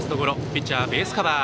ピッチャー、ベースカバー。